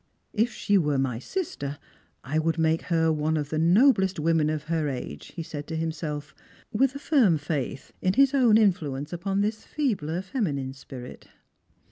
" If she were my sister I would make her one of the noblest women of her age," he said to himself, with a firm faith in his own influence upon this feebler feminine spirit.